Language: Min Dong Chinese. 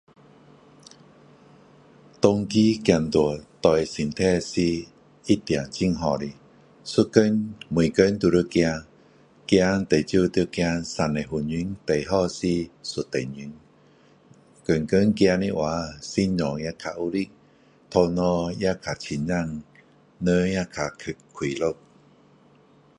长期走路，对身体是一定很好的。一天，每天都要走，走最少要走30分钟。最好是一个点钟，天天走的话，心脏也较有力，头脑也较清醒，人也较快快乐。